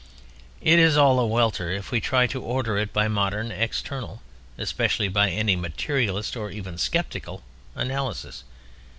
It is all a welter if we try to order it by modern, external—especially by any materialist or even skeptical—analysis.